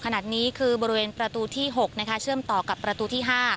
ขณะนี้คือบริเวณประตูที่๖เชื่อมต่อกับประตูที่๕